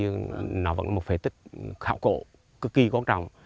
nó vẫn là một phế tích khảo cậu cực kỳ quan trọng